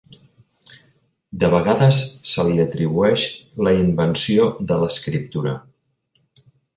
De vegades se li atribueix la invenció de l'escriptura.